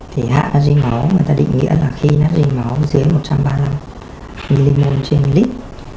thì hạ nát ri máu người ta định nghĩa là khi nát ri máu dưới một trăm ba mươi năm mmol trên một lít